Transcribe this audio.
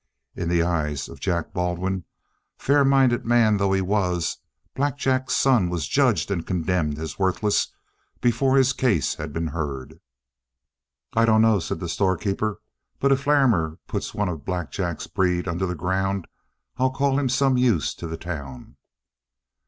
In the eye of Jack Baldwin, fair minded man though he was, Black Jack's son was judged and condemned as worthless before his case had been heard. "I dunno," said the storekeeper; "but if Larrimer put one of Black Jack's breed under the ground, I'd call him some use to the town."